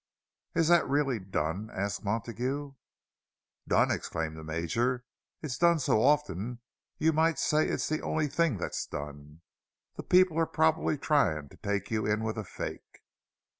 "Is that really done?" asked Montague. "Done!" exclaimed the Major. "It's done so often you might say it's the only thing that's done.—The people are probably trying to take you in with a fake."